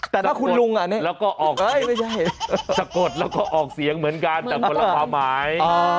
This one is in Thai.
แต่ถ้าคุณลุงอ่ะเนี่ยสะกดแล้วก็ออกเสียงเหมือนกันแต่คนละความหมาย